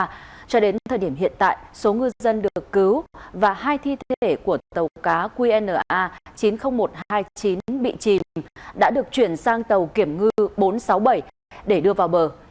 cho đến thời điểm hiện tại số ngư dân được cứu và hai thi thể của tàu cá qna chín mươi nghìn một trăm hai mươi chín bị chìm đã được chuyển sang tàu kiểm ngư bốn trăm sáu mươi bảy để đưa vào bờ